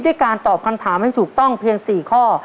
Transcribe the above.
การตอบคำถามให้ถูกต้องเพียง๔ข้อ